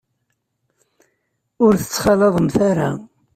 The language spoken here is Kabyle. Ur t-ttxalaḍemt ara.